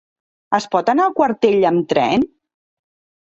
Es pot anar a Quartell amb tren?